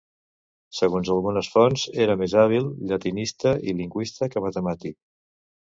Segons algunes fonts, era més hàbil llatinista i lingüista que matemàtic.